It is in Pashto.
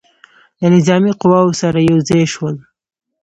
له نظامي قواوو سره یو ځای شول.